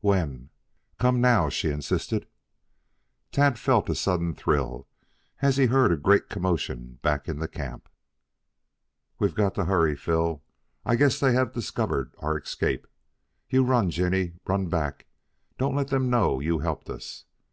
"When?" "Come now," she insisted. Tad felt a sudden thrill as he heard a great commotion back in the camp. "We've got to hurry, Phil. I guess they have discovered our escape. You run, Jinny. Run back. Don't you let them know you helped us.